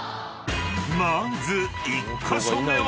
［まず１カ所目は］